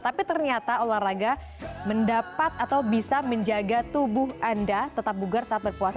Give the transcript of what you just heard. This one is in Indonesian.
tapi ternyata olahraga mendapat atau bisa menjaga tubuh anda tetap bugar saat berpuasa